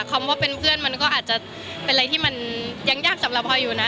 คำว่าเป็นเพื่อนมันก็อาจจะเป็นอะไรที่มันยังยากสำหรับพลอยอยู่นะ